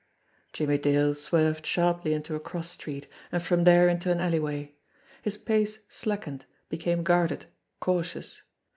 Jimmie Dale swerved sharply into a cross street, and from there into an alleyway. His pace slackened, became guarded, cautious.